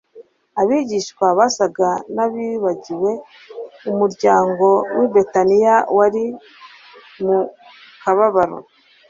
abigishwa basaga n'abibagiwe umuryango w'i Betaniya wari mu kababaro.